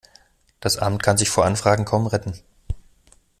Das Amt kann sich vor Anfragen kaum retten.